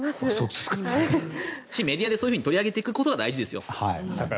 メディアでそういうふうに取り上げていくことが大事ですよ。